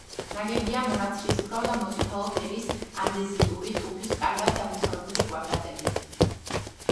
ნაგებია მონაცისფრო და მოწითალო ფერის ანდეზიტური ტუფის კარგად დამუშავებული კვადრატებით.